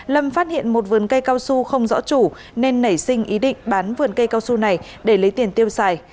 lâm phát hiện một vườn cây cao su không rõ chủ nên nảy sinh ý định bán vườn cây cao su này để lấy tiền tiêu xài